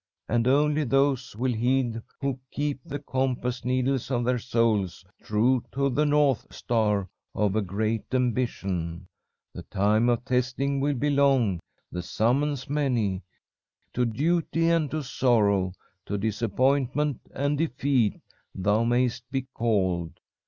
And only those will heed who keep the compass needles of their souls true to the north star of a great ambition. The time of testing will be long, the summons many. To duty and to sorrow, to disappointment and defeat, thou may'st be called.